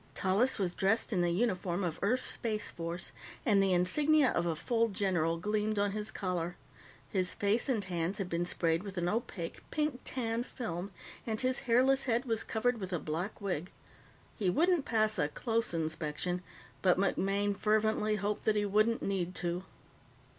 Tallis was dressed in the uniform of Earth's Space Force, and the insignia of a full general gleamed on his collar. His face and hands had been sprayed with an opaque, pink tan film, and his hairless head was covered with a black wig. He wouldn't pass a close inspection, but MacMaine fervently hoped that he wouldn't need to.